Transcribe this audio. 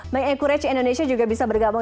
make encourage indonesia juga bisa bergabung